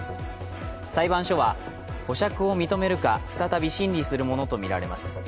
裁判所は保釈を認めるか再び審理するものとみられます。